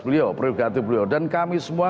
beliau prerogatif beliau dan kami semua